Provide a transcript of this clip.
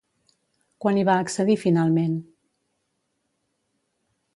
Quan hi va accedir finalment?